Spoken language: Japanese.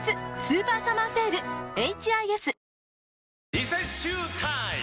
リセッシュータイム！